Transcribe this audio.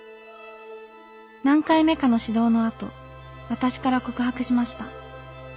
何回目かの指導のあと私から告白しました。